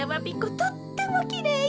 とってもきれいよ。